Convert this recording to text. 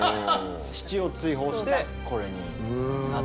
父を追放してこれに。